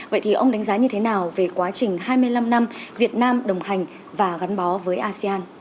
vậy thì ông đánh giá như thế nào về quá trình hai mươi năm năm việt nam đồng hành và gắn bó với asean